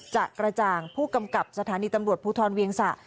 จะกระจ่างผู้กำกับสถานีตำรวจภูทรเวียงสะ